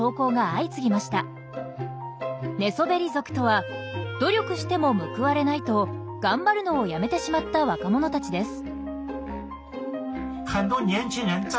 寝そべり族とは「努力しても報われない」と頑張るのをやめてしまった若者たちです。